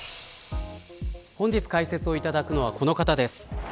本日解説いただくのはこの方です。